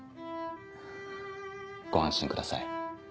ご安心ください。